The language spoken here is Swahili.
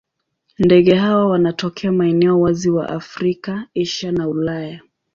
Ndege hawa wanatokea maeneo wazi wa Afrika, Asia na Ulaya.